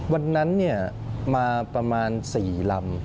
วันนั้นมาประมาณ๔ลำ